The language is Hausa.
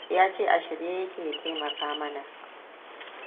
Ya ce a shirye yake ya taimaka mana.